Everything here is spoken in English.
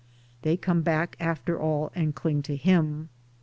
They come back after all and cling to him.